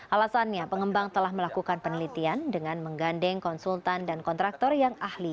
alasannya pengembang telah melakukan penelitian dengan menggandeng konsultan dan kontraktor yang ahli